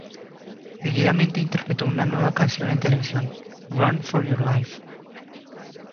Seguidamente interpretó una nueva canción en televisión, "Run For Your Life".